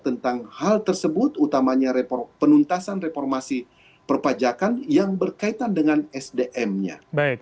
tentang hal tersebut utamanya penuntasan reformasi perpajakan yang berkaitan dengan sdm nya